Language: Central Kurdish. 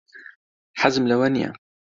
حەزم لەوە نییە.